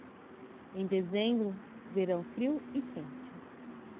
Em dezembro, verão frio e quente.